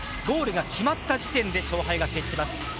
ゴールが決まった時点で勝敗が決します。